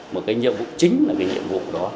một cái nhiệm vụ chính là cái nhiệm vụ đó